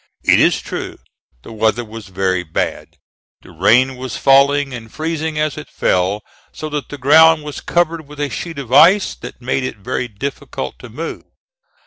It is true the weather was very bad. The rain was falling and freezing as it fell, so that the ground was covered with a sheet of ice, that made it very difficult to move.